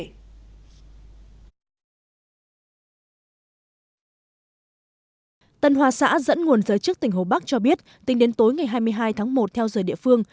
tân hoa xã dẫn nguồn giới chức tỉnh hồ bắc cho biết tính đến tối ngày hai mươi hai tháng một theo giờ địa phương